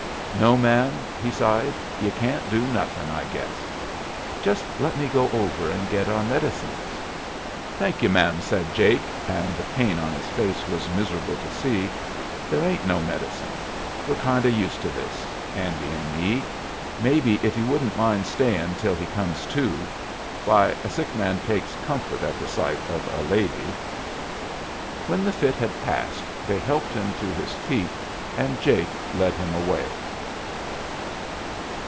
"No, ma'am," he sighed, "you can't do nothing, I guess." "Just let me go over and get our medicines." "Thank you, ma'am," said Jake, and the pain on his face was miserable to see; "there ain't no medicine. We're kind of used to this, Andy and me. Maybe, if you wouldn't mind stayin' till he comes to Why, a sick man takes comfort at the sight of a lady." When the fit had passed they helped him to his feet, and Jake led him away.